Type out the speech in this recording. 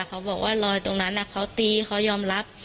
เขาบอกว่ารอยตรงนั้นเขาตีเขายอมรับ